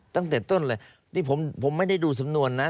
ตั้งแต่ต้นเลยนี่ผมไม่ได้ดูสำนวนนะ